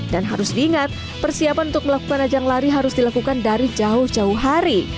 dan harus diingat persiapan untuk melakukan ajang lari harus dilakukan dari jauh jauh hari